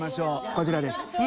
こちらです。